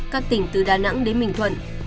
các tỉnh từ đà nẵng đến bình thuận